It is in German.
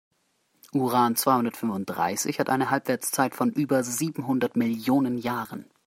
Uran-zweihundertfünfunddreißig hat eine Halbwertszeit von über siebenhundert Millionen Jahren.